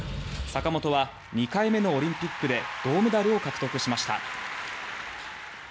坂本は２回目のオリンピックで銅メダルを獲得しました。